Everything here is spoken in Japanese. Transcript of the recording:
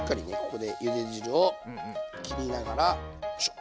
ここでゆで汁を切りながらよいしょ。